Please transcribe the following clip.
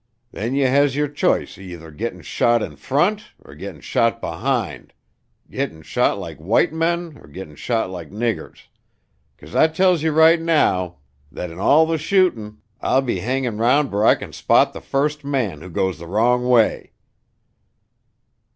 Then you has yer chi'ce er gittin' shot in front er gittin' shot behind, gittin' shot like white men er gittin' shot like niggers. 'Cause I tells you right now thet in all the shootin', I'll be hangin' round where I can spot the first man who goes the wrong way.